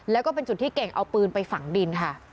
แล้วก็เป็นจุดที่เก่งเอาปืนไปฝังดินค่ะ